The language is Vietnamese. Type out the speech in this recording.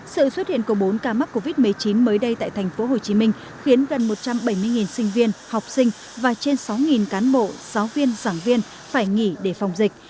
sự xuất hiện của bốn ca mắc covid một mươi chín mới đây tại tp hcm khiến gần một trăm bảy mươi sinh viên học sinh và trên sáu cán bộ giáo viên giảng viên phải nghỉ để phòng dịch